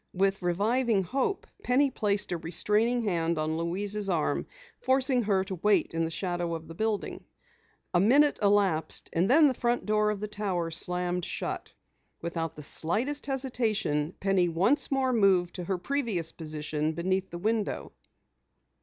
With reviving hope, Penny placed a restraining hand on Louise's arm, forcing her to wait in the shadow of the building. A minute elapsed and then the front door of the tower slammed shut. Without the slightest hesitation, Penny once more moved to her previous position beneath the window.